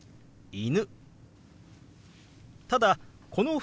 「犬」。